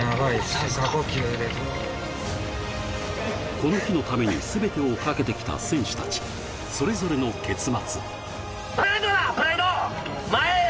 この日のためにすべてをかけてきた選手たち、それぞれの結末。